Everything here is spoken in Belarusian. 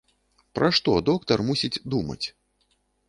Пра што доктар мусіць думаць?